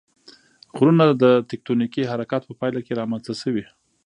غرونه د تکتونیکي حرکاتو په پایله کې رامنځته شوي.